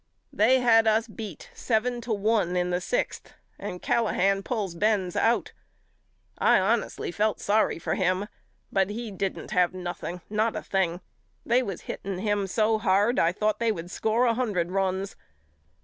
They had us beat seven to one in the sixth and Callahan pulls Benz out. I honestly felt sorry for him but he didn't have nothing, not a thing. They was hitting him so hard I thought they would score a hundred runs.